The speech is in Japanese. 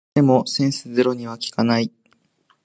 百倍してもセンスゼロには効かない